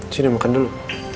sini makan dulu